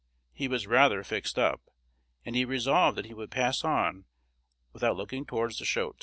He was rather "fixed up;" and he resolved that he would pass on without looking towards the shoat.